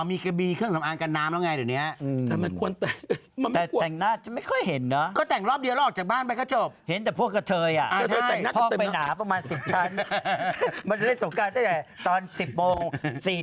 อ่อมีกะบรีเครื่องสำอางกับน้ำแล้วไงทีนี้